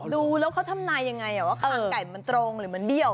ดูแล้วเขาทำนายยังไงว่าคางไก่มันตรงหรือมันเบี้ยว